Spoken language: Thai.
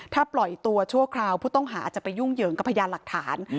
ถ้าปล่อยตัวชั่วคราวผู้ต้องหาจะไปยุ่งเหยิงกับพยานหลักฐาน